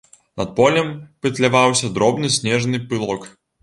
Над полем пытляваўся дробны снежны пылок.